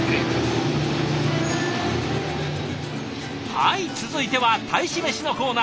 はい続いては「大使メシ」のコーナー。